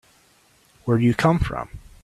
Where do you come from?